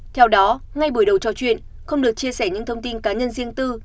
theo đó ngay buổi đầu trò chuyện không được chia sẻ những thông tin cá nhân riêng tư